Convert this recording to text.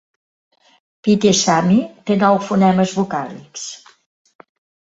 Pite Sami té nou fonemes vocàlics.